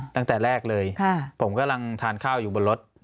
ตั้งแต่แรกเลยผมกำลังทานข้าวอยู่บนรถ